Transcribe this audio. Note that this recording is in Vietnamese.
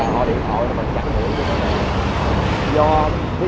họ điện thoại mà chẳng ngửi